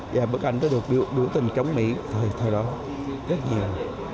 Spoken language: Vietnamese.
và bức ảnh tôi được biểu tình chống mỹ thời đó rất nhiều